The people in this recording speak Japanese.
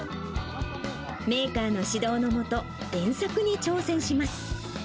メーカーの指導の下、電柵に挑戦します。